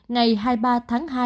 ngày hai mươi ba tháng hai